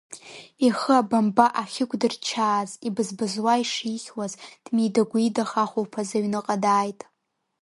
Ихы абамба ахьықәдырчааз ибыз-бызуа ишихьуаз, дмида-гәидаха ахәлԥаз аҩныҟа дааит.